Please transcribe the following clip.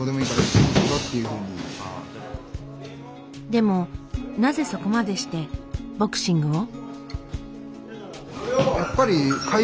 でもなぜそこまでしてボクシングを？